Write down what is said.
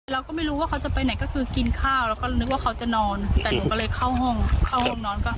เราก็ไม่รู้ว่าเขาจะไปไหนก็คือกินข้าวแล้วก็นึกว่าเขาจะนอนแต่หนูก็เลยเข้าห้องเข้าห้องนอนก็